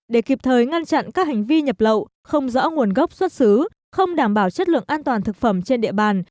để kịp thời ngăn chặn các hành vi nhập lậu không rõ nguồn gốc xuất xứ không đảm bảo chất lượng an toàn thực phẩm trên địa bàn